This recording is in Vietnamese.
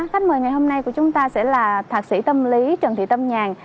khách mời ngày hôm nay của chúng ta sẽ là thạc sĩ tâm lý trần thị tâm nhàn